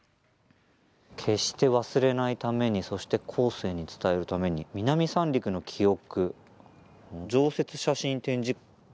けっして忘れないためにそして後世に伝えるために南三陸の記憶。